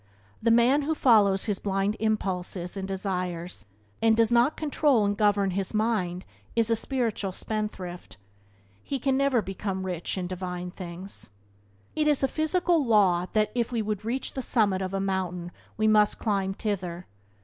The man who follows his blind impulses and desires and does not control and govern his mind is a spiritual spendthrift. He can never become rich in divine things. It is a physical law that if we would reach the summit of a mountain we must climb thither.